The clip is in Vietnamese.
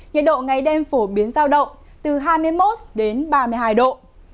nhiệt độ ngày đêm phổ biến giao động từ hai mươi một đến ba mươi hai độ